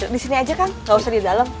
disini aja kan gak usah di dalam